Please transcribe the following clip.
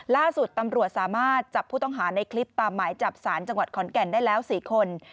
ล่าสุดตำรวจสามารถจับผู้ต้องหาในคลิปตามหมายจับสารจังหวัดขอนแก่นได้แล้ว๔คน